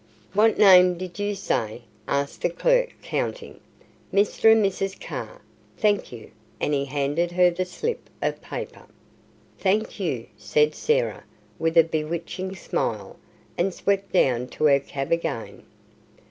"What name did you say?" asked the clerk, counting. "Mr. and Mrs. Carr. Thank you," and he handed her the slip of paper. "Thank you," said Sarah, with a bewitching smile, and swept down to her cab again.